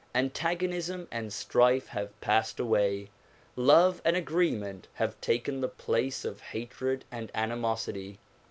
Antagonism and strife have passed away; love and agreement have taken the place of hatred and animosity.